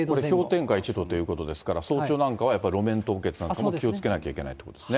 氷点下１度ということですから、早朝なんかはやっぱり路面凍結なんかも気をつけなきゃいけないと。